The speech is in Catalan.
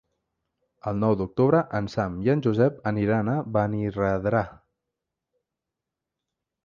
El nou d'octubre en Sam i en Josep aniran a Benirredrà.